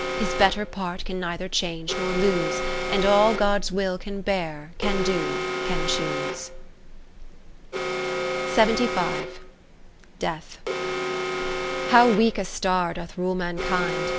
His better part can neither change nor lose, 51 And all God's will can bear, can do, can choose. Death How weak a star doth rule mankind.